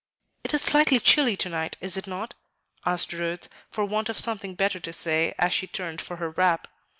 "It is slightly chilly to night, is it not?" asked Ruth, for want of something better to say as she turned for her wrap.